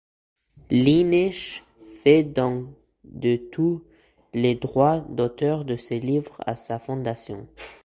Lynch fait don de tous les droits d'auteur de ce livre à sa fondation.